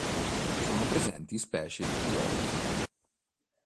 Sono presenti specie dioiche.